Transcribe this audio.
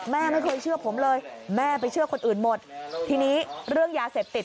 แม่ไม่เคยเชื่อผมเลยแม่ไปเชื่อคนอื่นหมดทีนี้เรื่องยาเสพติด